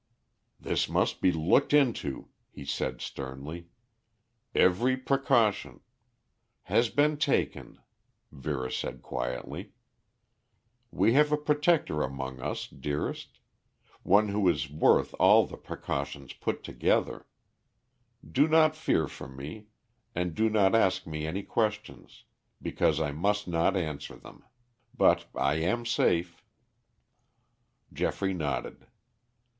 "This must be looked into," he said sternly. "Every precaution " "Has been taken," Vera said quietly. "We have a protector among us, dearest. One who is worth all the precautions put together. Do not fear for me and do not ask me any questions, because I must not answer them. But I am safe." Geoffrey nodded.